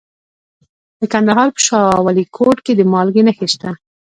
د کندهار په شاه ولیکوټ کې د مالګې نښې شته.